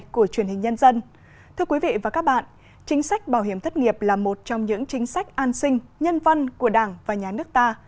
chính sách bảo hiểm thất nghiệp là một trong những chính sách an sinh nhân văn của đảng và nhà nước ta